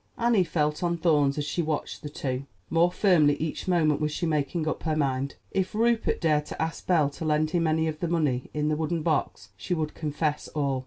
Annie felt on thorns as she watched the two. More firmly each moment was she making up her mind. If Rupert dared to ask Belle to lend him any of the money in the wooden box she would confess all.